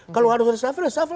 kalau harus ada syafil syafil